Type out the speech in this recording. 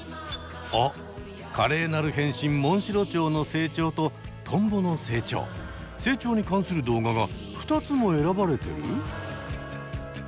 あっ華麗なる変身モンシロチョウの成長とトンボの成長成長に関する動画が２つも選ばれてる！？